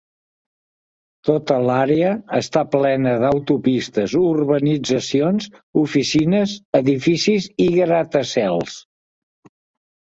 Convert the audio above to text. Tota l'àrea està plena d'autopistes, urbanitzacions, oficines, edificis i gratacels.